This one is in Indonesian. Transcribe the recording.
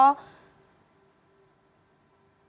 kemudian ada wakil ketua umum mui